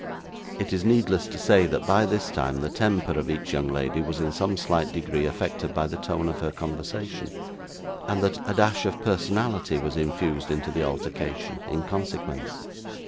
It is needless to say, that, by this time, the temper of each young lady was in some slight degree affected by the tone of her conversation, and that a dash of personality was infused into the altercation, in consequence.